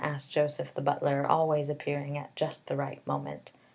asked Joseph the butler, always appearing at just the right moment.